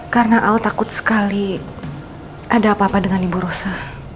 karena al takut sekali ada apa apa dengan ibu rosa